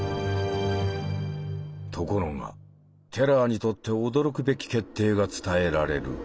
ところがテラーにとって驚くべき決定が伝えられる。